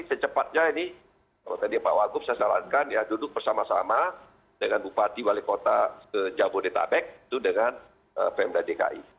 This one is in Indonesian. secepatnya ini kalau tadi pak wagub saya sarankan ya duduk bersama sama dengan bupati wali kota jabodetabek itu dengan pmd dki